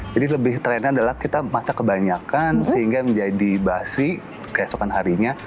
jadi lebih trennya adalah kita masak kebanyakan sehingga menjadi basi keesokan harinya